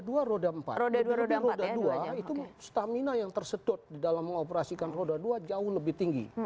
jadi lebih roda dua itu stamina yang tersedot dalam mengoperasikan roda dua jauh lebih tinggi